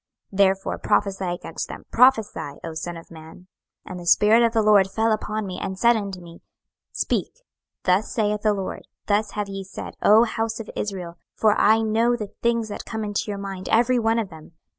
26:011:004 Therefore prophesy against them, prophesy, O son of man. 26:011:005 And the Spirit of the LORD fell upon me, and said unto me, Speak; Thus saith the LORD; Thus have ye said, O house of Israel: for I know the things that come into your mind, every one of them.